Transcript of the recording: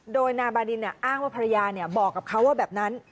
โดยนายบาดินอ้างว่าภรรยาบอกกับเขาว่าแบบนั้น